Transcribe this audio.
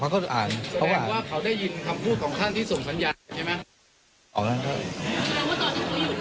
ปรากฏว่าเขาได้ยินคำพูดของท่านที่ส่งสัญญาณใช่ไหม